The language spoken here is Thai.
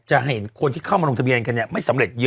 จะเห็นคนที่เข้ามาลงทะเบียนกันไม่สำเร็จเยอะ